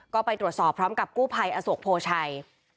ก็ไปตรวจสอบพร้อมกับกู้ภัยอโศกโพชัย